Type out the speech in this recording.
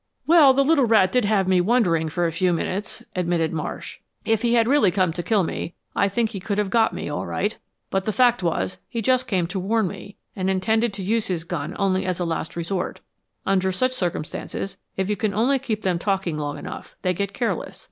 "Well, the little rat did have me wondering for a few minutes," admitted Marsh. "If he had really come to kill me I think he could have got me, all right. But the fact was, he just came to warn me, and intended to use his gun only as a last resort. Under such circumstances, if you can only keep them talking long enough, they get careless.